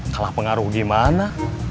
kalah pengaruh gimana